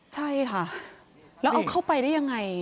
ใช่ค่ะแล้วเอาเข้าไปได้ยังไง